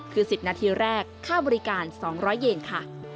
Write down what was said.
คือ๑๐นาทีแรกค่าบริการ๒๐๐เยนค่ะ